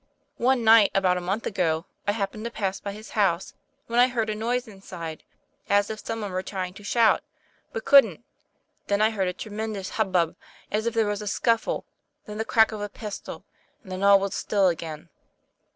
One night, about a month ago, I happened to pass by his house, when I heard a noise inside, as if some one were trying to shout, but couldn't; then I heard a tremendous hubbub, as if there was a scuffle; then the crack of a pistol, and then all was still again.